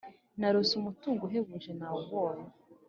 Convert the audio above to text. naronse umutungo uhebuje nawubonye